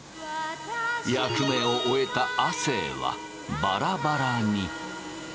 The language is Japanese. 役目を終えた亜生はバラバラに。